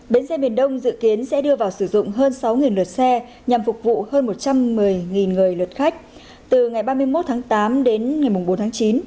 bến xe miền đông dự kiến sẽ đưa vào sử dụng hơn sáu lượt xe nhằm phục vụ hơn một trăm một mươi người lượt khách từ ngày ba mươi một tháng tám đến ngày bốn tháng chín